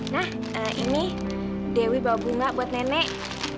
nah ini dewi bawa bunga buat nenek